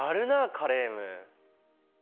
カレーム。